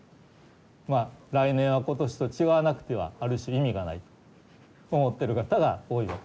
まあ来年は今年と違わなくてはある種意味がないと思ってる方が多いわけ。